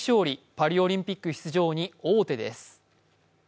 パリオリンピック出場に王手です。